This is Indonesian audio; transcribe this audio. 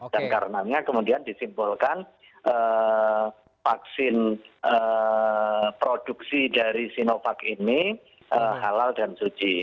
dan karena kemudian disimpulkan vaksin produksi dari sinovac ini halal dan suci